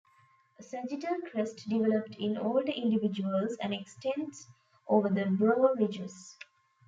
A sagittal crest developed in older individuals and extends over the brow ridges.